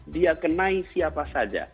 dia kenai siapa saja